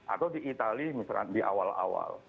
atau di itali misalnya di awal awal